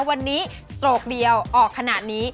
วันนี้สโตรกเดียวออกขนาดนี้